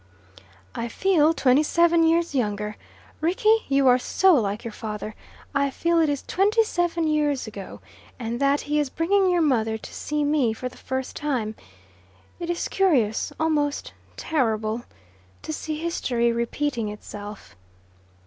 "I feel twenty seven years younger. Rickie, you are so like your father. I feel it is twenty seven years ago, and that he is bringing your mother to see me for the first time. It is curious almost terrible to see history repeating itself."